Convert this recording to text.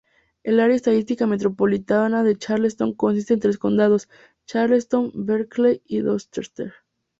El área estadística metropolitana de Charleston consiste en tres condados: Charleston, Berkeley, y Dorchester.